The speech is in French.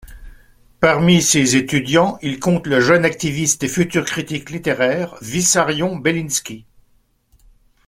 Parmi ses étudiants, il compte le jeune activiste et futur critique littéraire Vissarion Belinski.